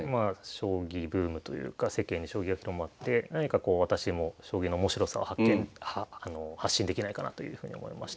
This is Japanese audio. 将棋ブームというか世間に将棋が広まって何かこう私も将棋の面白さを発信できないかなというふうに思いました。